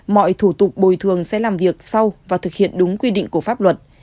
mọi thủ tục bồi thường sẽ làm việc sau và thực hiện đúng quy định của pháp luật